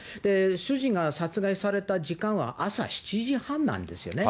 主人が殺害された時間は朝７時半なんですよね。